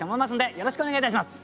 よろしくお願いします。